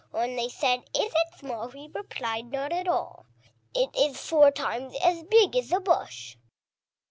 When they said, "Is it small?" he replied, "Not at all; It is four times as big as the bush!"